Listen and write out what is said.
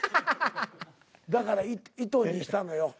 だから糸にしたのよ。